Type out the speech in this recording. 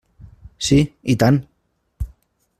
Sí, i tant.